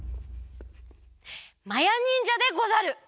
まやにんじゃでござる！